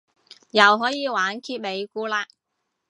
又可以玩揭尾故嘞